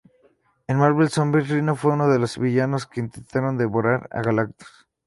En Marvel Zombies, Rhino fue uno de los villanos que intentaron devorar a Galactus.